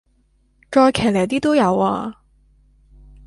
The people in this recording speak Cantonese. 再騎呢啲都有啊